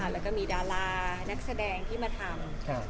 แล้วก็มีดารานักแสดงที่มาทำ